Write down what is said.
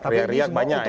riak riak banyak ya